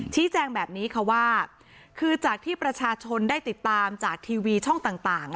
ชี้แจงแบบนี้ค่ะว่าคือจากที่ประชาชนได้ติดตามจากทีวีช่องต่าง